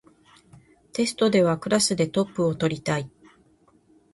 テストではクラスでトップを取りたい